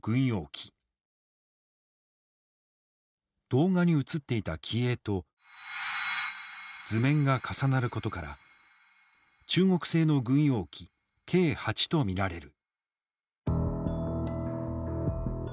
動画に写っていた機影と図面が重なることから中国製の軍用機Ｋ−８と見られる。